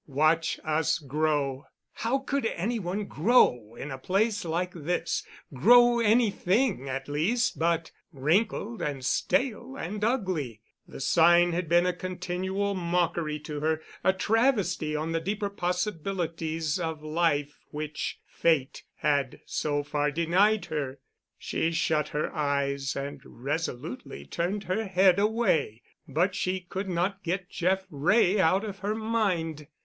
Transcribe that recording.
"Watch Us Grow!" How could any one grow in a place like this—grow anything, at least, but wrinkled and stale and ugly. The sign had been a continual mockery to her, a travesty on the deeper possibilities of life which Fate had so far denied her. She shut her eyes and resolutely turned her head away, but she could not get Jeff Wray out of her mind.